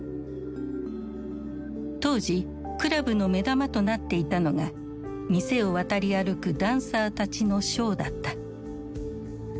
当時クラブの目玉となっていたのが店を渡り歩くダンサーたちのショーだった。